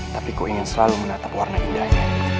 tapi kuingin selalu menatap warna indahnya